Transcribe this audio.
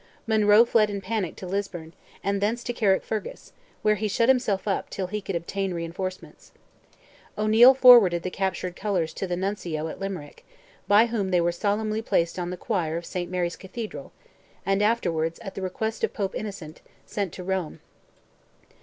Monroe fled in panic to Lisburn, and thence to Carrickfergus, where he shut himself up, till he could obtain reinforcements. O'Neil forwarded the captured colours to the Nuncio, at Limerick, by whom they were solemnly placed in the choir of St. Mary's Cathedral, and afterwards, at the request of Pope Innocent, sent to Rome.